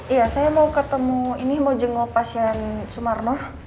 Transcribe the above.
iya saya mau ketemu ini mau jenggok pasien sumarno